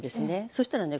そしたらね